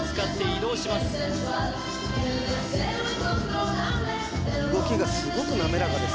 動きがすごく滑らかです